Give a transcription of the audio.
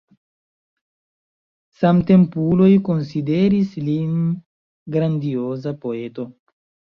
Samtempuloj konsideris lin grandioza poeto.